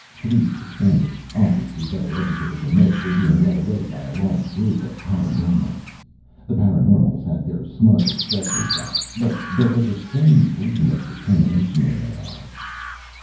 Three Suspendeds, obviously better educated than most, were being led away by a large group of paraNormals. The paraNormals had their smug expressions back but there was a strange gleam of determination in their eyes.